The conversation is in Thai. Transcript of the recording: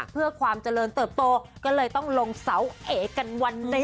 เพื่อความเจริญเติบโตก็เลยต้องลงเสาเอกกันวันเต็ม